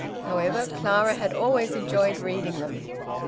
However, Clara had always enjoyed reading them.